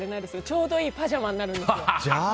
ちょうどいいパジャマになるので。